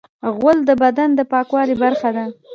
غول د بدن د پاکوالي برخه ده.